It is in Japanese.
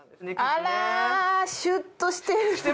あらシュッとしてる。